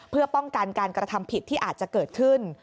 เพื่อป้องกันการกระทำผิดที่อาจจะเกิดขึ้น